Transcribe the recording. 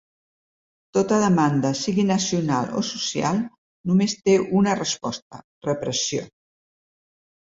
Tota demanda, sigui nacional o social, només té una resposta: repressió.